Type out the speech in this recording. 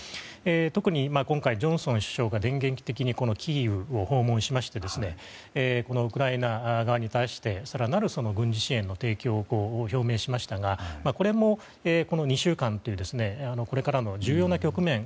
特に、今回ジョンソン首相が電撃的にキーウを訪問しましてウクライナ側に対して更なる軍事支援の提供を表明しましたがこれも２週間というこれからの重要な局面